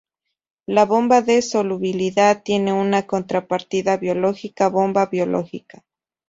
La bomba de solubilidad tiene una contrapartida biológica, la bomba biológica.